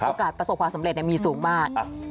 ประสบความสำเร็จมีสูงมาก